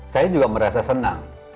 saya juga merasa senang